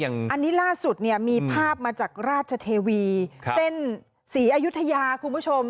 อันนี้ราดสุดมีภาพมาจากราชเทวีเส้นสี่อายุทยาคุณผู้ชม